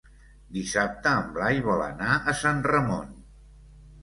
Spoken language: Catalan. Dissabte en Blai vol anar a Sant Ramon.